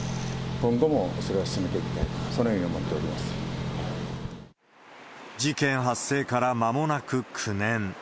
今後もそれは進めていきたいと、事件発生からまもなく９年。